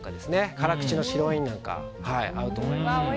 辛口の白ワインなんか合うと思います。